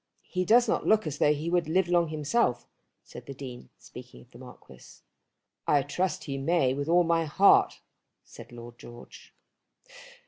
"He does not look as though he would live long himself," said the Dean, speaking of the Marquis. "I trust he may with all my heart," said Lord George.